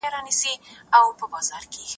حق هم د مسکن لري